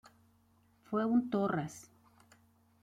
Fue un torras.